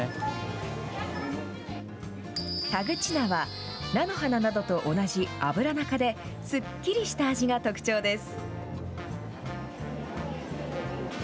田口菜は、菜の花などと同じアブラナ科で、すっきりした味が特徴です。